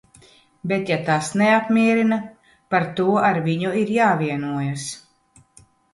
Bet ja tas neapmierina, par to ar viņu ir jāvienojas.